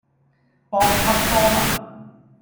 博洽多聞